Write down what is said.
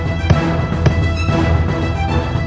misalnyaeven usando boo serius